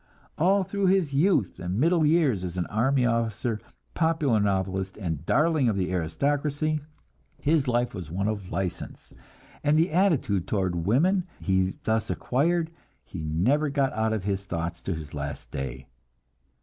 All through his youth and middle years, as an army officer, popular novelist, and darling of the aristocracy, his life was one of license, and the attitude toward women he thus acquired, he never got out of his thoughts to his last day.